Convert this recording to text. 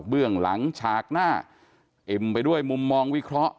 เรื่องหลังฉากหน้าเอ็มไปด้วยมุมมองวิเคราะห์